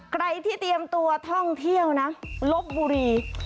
ใครที่เตรียมตัวท่องเที่ยวนะลบบุรี